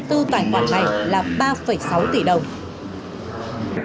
nằm trong số hai mươi bốn tài khoản này là ba sáu tỷ đồng